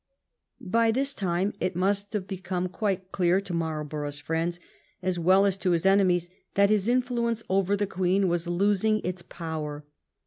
By this time it must have become quite clear to Marlborough's friends, as well as to his enemies, that his influence over the Queen was losing its power.